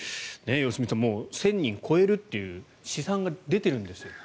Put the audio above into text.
良純さん１０００人を超えるという試算が出てるんですよ。